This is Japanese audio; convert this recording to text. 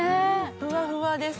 ふわふわです